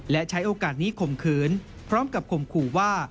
และใช้โอกาสนี้ข่มขืนพร้อมกับข่มขู่ว่า